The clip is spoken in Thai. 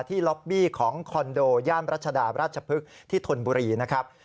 ล็อบบี้ของคอนโดย่านรัชดาราชพฤกษ์ที่ธนบุรีนะครับ